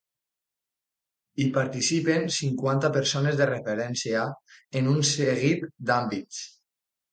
Hi participen cinquanta persones de referència en un seguit d’àmbits.